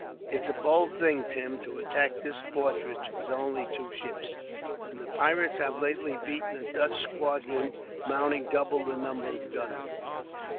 "It's a bold thing, Tim, to attack this fortress with only two ships, when the pirates have lately beaten a Dutch squadron mounting double the number of guns."